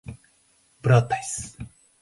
Brotas